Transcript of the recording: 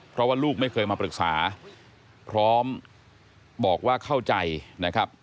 เพราะว่าลูกไม่เคยมาปรึกษาพร้อมบอกว่าเข้าใจนะครับ